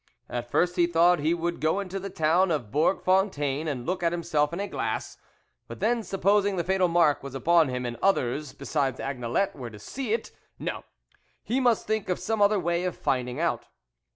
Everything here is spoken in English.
At first he thought he would go into the town of Bourg Fontaine and look at himself in a glass. But then, supposing the fatal mark was upon him, and others, besides Agnelette, were to see it ! No, he must think of some other way of finding out.